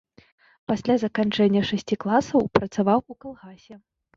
Пасля заканчэння шасці класаў працаваў у калгасе.